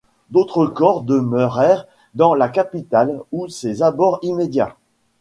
D’autres corps demeurèrent dans la capitale ou ses abords immédiats.